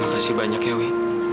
terima kasih banyak ewi